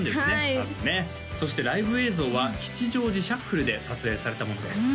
多分ねそしてライブ映像は吉祥寺ＳＨＵＦＦＬＥで撮影されたものです